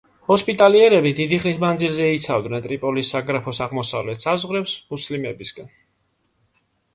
ჰოსპიტალიერები დიდი ხნის მანძილზე იცავდნენ ტრიპოლის საგრაფოს აღმოსავლეთ საზღვრებს მუსლიმებისგან.